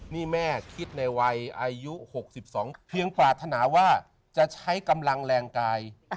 นี่แม่คิดในวัยอายุ๖๒เพียงปรารถนาว่าจะใช้กำลังแรงกาย